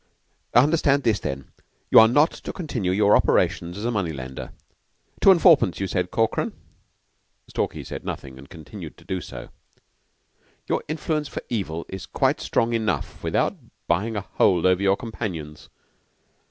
"Understand this, then. You are not to continue your operations as a money lender. Two and fourpence, you said, Corkran?" Stalky had said nothing, and continued so to do. "Your influence for evil is quite strong enough without buying a hold over your companions."